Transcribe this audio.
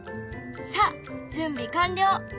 さあ準備完了！